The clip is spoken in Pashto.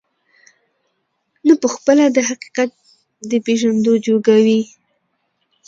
نه په خپله د حقيقت د پېژندو جوگه وي،